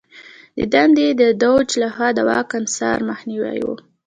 د دنده یې د دوج لخوا د واک انحصار مخنیوی و.